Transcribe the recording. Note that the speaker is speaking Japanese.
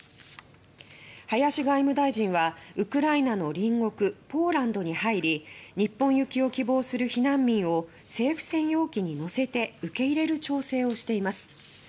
林外務大臣はウクライナの隣国ポーランドに入り日本行きを希望する避難民を政府専用機に乗せて受け入れる調整をしています。